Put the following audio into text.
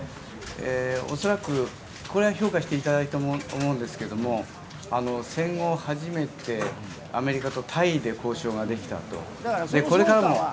おそらくこれは評価していただいたと思うんですけれども戦後初めてアメリカと交渉ができたと。